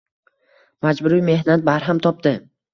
Majburiy mehnat barham topdi.